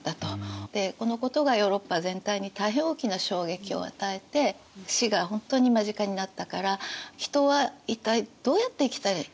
でこのことがヨーロッパ全体に大変大きな衝撃を与えて死が本当に間近になったから人は一体どうやって生きたらいいんだろう